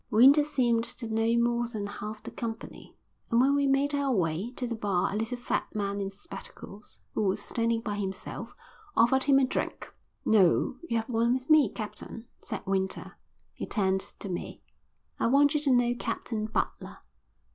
Winter seemed to know more than half the company, and when we made our way to the bar a little fat man in spectacles, who was standing by himself, offered him a drink. "No, you have one with me, Captain," said Winter. He turned to me. "I want you to know Captain Butler."